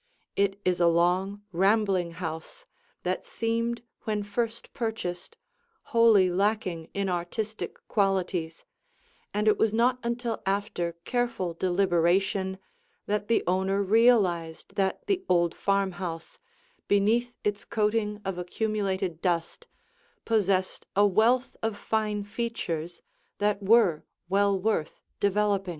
It is a long, rambling house that seemed when first purchased wholly lacking in artistic qualities, and it was not until after careful deliberation that the owner realized that the old farmhouse, beneath its coating of accumulated dust, possessed a wealth of fine features that were well worth developing.